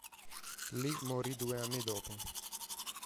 Lì morì due anni dopo.